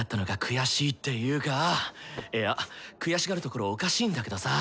いや悔しがるところおかしいんだけどさ。